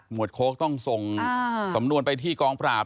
วดโค้กต้องส่งสำนวนไปที่กองปราบ